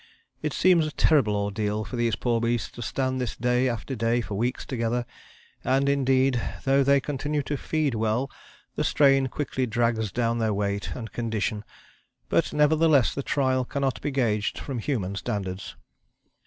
It seems a terrible ordeal for these poor beasts to stand this day after day for weeks together, and indeed though they continue to feed well the strain quickly drags down their weight and condition; but nevertheless the trial cannot be gauged from human standards."